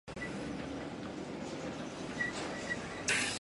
他还担任广州大元帅府顾问。